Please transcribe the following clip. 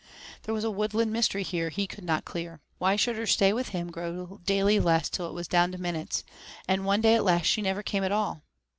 There was a woodland mystery here he could not clear. Why should her stay with him grow daily less till it was down to minutes, and one day at last she never came at all.